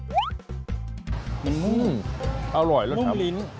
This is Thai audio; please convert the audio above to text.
มันมุ่งมุ่งลิ้นอร่อยแล้วทำ